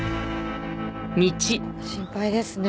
心配ですね。